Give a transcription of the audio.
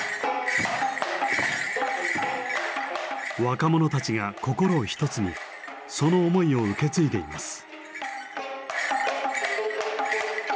若者たちが心を一つにその思いを受け継いでいます。